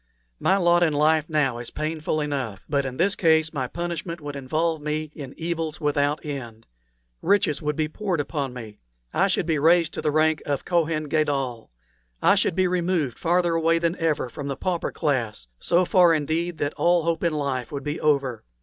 My lot in life now is painful enough; but in this case my punishment would involve me in evils without end. Riches would be poured upon me; I should be raised to the rank of Kohen Gadol; I should be removed farther away than ever from the pauper class so far, indeed, that all hope in life would be over.